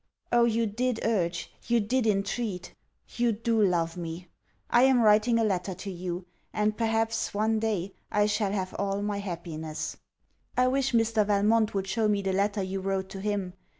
Oh, you did urge you did intreat. You do love me. I am writing a letter to you; and perhaps, one day, I shall have all my happiness. I wish Mr. Valmont would show me the letter you wrote to him.